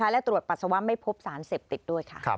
และตรวจปัสสาวะไม่พบสารเสพติดด้วยค่ะ